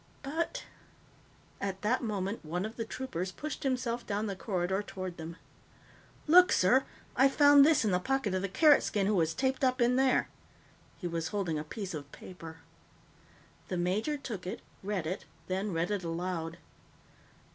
But " At that moment, one of the troopers pushed himself down the corridor toward them. "Look, sir! I found this in the pocket of the Carrot skin who was taped up in there!" He was holding a piece of paper. The major took it, read it, then read it aloud.